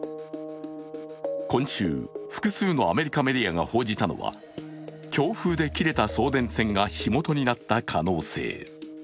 今週、複数のアメリカメディアが報じたのは強風で切れた送電線が火元になった可能性。